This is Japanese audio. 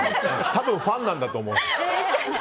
多分ファンなんだと思う。